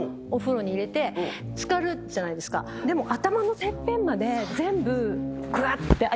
でも頭のてっぺんまで全部ぐわって。